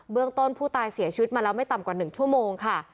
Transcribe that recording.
ต้นผู้ตายเสียชีวิตมาแล้วไม่ต่ำกว่า๑ชั่วโมงค่ะ